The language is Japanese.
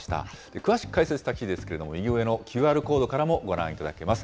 詳しく解説した記事ですけれども、右上のＱＲコードからもご覧いただけます。